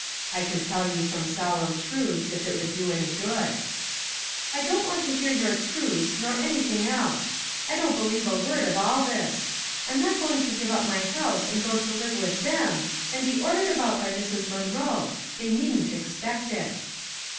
" I could tell you some solemn truths, if it would do any good." "I don't want to hear your truths, nor any thing else. I don't believe a word of all this. I'm not going to give up ray house, and go to live with them, and be ordered about by Mrs. Mun roe ; tliey needn't expect it."